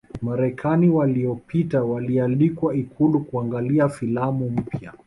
Marekani waliyopita walialikwa ikulu kuangalia filamu mpya